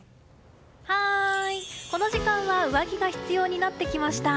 はーい、この時間は上着が必要になってきました。